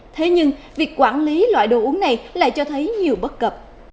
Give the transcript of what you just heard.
thế nhưng việc quản lý loại đồ uống này lại cho thấy nhiều bất cập